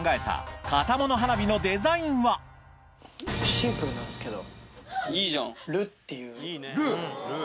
シンプルなんですけど。